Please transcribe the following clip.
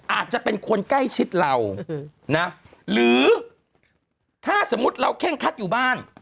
อาจจะเป็นคนใกล้ชิดเรานะหรือถ้าสมมุติเราเคร่งคัดอยู่บ้าน